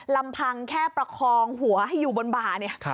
ลำพังแค่ประคองหัวให้อยู่บนบ่าเนี่ย